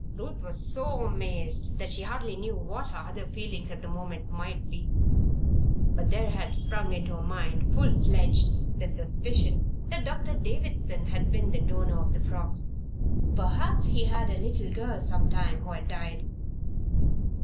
Ruth was so amazed that she hardly knew what her other feelings at the moment might be. But there had sprung into her mind, full fledged, the suspicion that Doctor Davison had been the donor of the frocks. Perhaps he had had a little girl sometime, who had died.